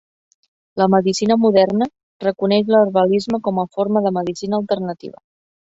La medicina moderna reconeix l'herbalisme com a forma de medicina alternativa.